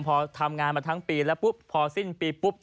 พอทำงานมาทั้งปีแล้วปุ๊บพอสิ้นปีปุ๊บ